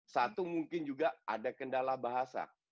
satu mungkin juga ada kendala bahasa